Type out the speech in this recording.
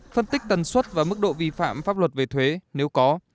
phân tích tần suất và mức độ vi phạm pháp luật về thuế nếu có